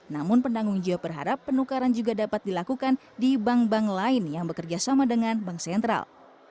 namun penanggung jawab berharap penukaran juga dapat dilakukan di bank bank lain yang bekerja sama dengan bank sentral